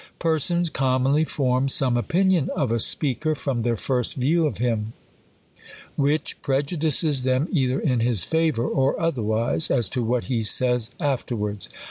Persons commonly form some opinion of a speaker from their first view of him, which prejudices them either in his favour or otherwise, as to what he says afterwards.